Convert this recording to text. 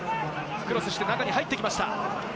クロスして中に入ってきました。